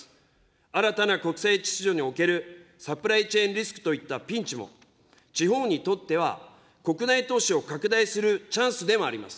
新たな国際秩序におけるサプライチェーンリスクといったピンチも、地方にとっては国内投資を拡大するチャンスでもあります。